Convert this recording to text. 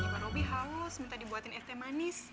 bang robby haus minta dibuatin eteh manis